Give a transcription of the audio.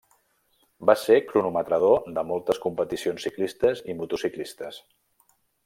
Va ser cronometrador de moltes competicions ciclistes i motociclistes.